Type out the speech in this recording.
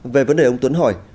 về vấn đề ông tuấn hỏi